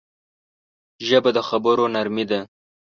ژبه د خبرو نرمي ده